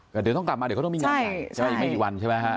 เดี๋ยวต้องกลับมาเดี๋ยวต้องมีงานอีกไม่กี่วันใช่ไหมฮะ